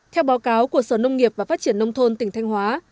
theo báo cáo của sở nông nghiệp và phát triển nông thôn tỉnh thanh hóa